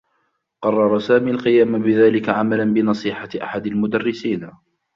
قرّر سامي القيام بذلك عملا بنصيحة أحد المدرّسين.